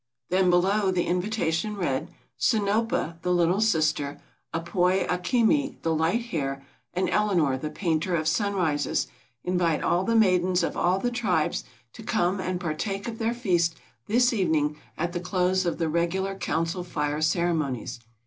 Then below, the invitation read: "Sinopa the Little Sister, Apoi a kimi, the Light Hair, and Eleanor, the Painter of Sunrises, invite all the maidens of all the tribes to come and partake of their feast this evening at the close of the regular Council Fire ceremonies.